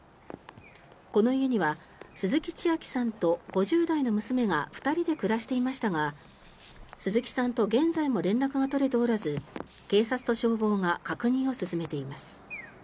この家には鈴木千秋さんと５０代の娘が２人で暮らしていましたが鈴木さんと現在も連絡が取れておらず警察と消防が確認を進めています。